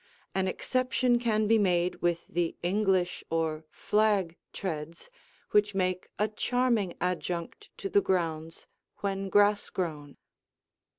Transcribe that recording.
An exception can be made with the English or flag treads, which make a charming adjunct to the grounds when grass grown.